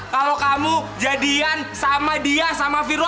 kalo kamu jadian sama dia sama viro